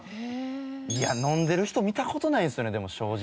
いや飲んでる人見た事ないんですよね正直。